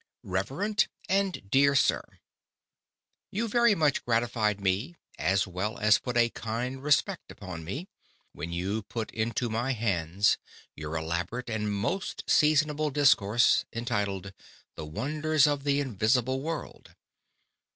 REVEREND AND DEAR SIR, _You very much gratify'd me, as well as put a kind Respect upon me, when you put into my hands, your elaborate and most seasonable Discourse, entituled, +The Wonders of the Invisible World+.